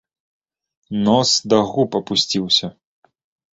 Нос да губ апусціўся.